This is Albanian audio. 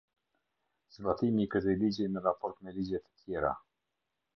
Zbatimi i këtij ligji në raport me ligjet tjera.